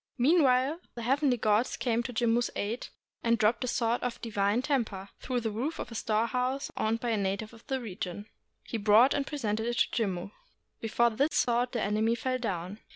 Meanwhile the heavenly gods came to Jimmu's aid, and dropped a sword of divine temper through the roof of a storehouse owned by a native of the region. He brought and presented it to Jimmu. Be fore this sword the enemy fell down.